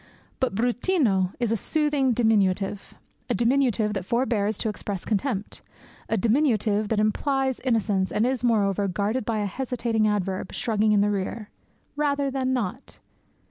But bruttino is a soothing diminutive, a diminutive that forbears to express contempt, a diminutive that implies innocence, and is, moreover, guarded by a hesitating adverb, shrugging in the rear "rather than not."